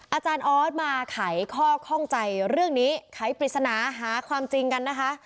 อาจารย์ออสมาไขข้อข้องใจเรื่องนี้ไขปริศนาหาความจริงกันนะคะ